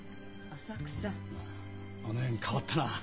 あの辺変わったなあ。